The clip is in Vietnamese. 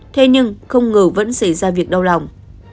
thế nhưng không ngờ vẫn xảy ra việc đau lòng